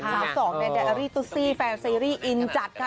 สาวสองในแดอารี่ตุซี่แฟนซีรีส์อินจัดค่ะ